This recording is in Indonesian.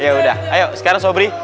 ya udah ayo sekarang sobri